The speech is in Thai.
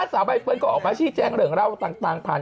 ขอศาลใบเปิิ้ลก่อออกมาชี้แจ้งเหลืองร่าวต่างผ่าน